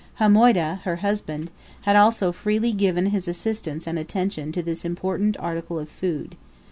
Hamoydah, her husband, also had freely given his assistance and attention to this important article of food.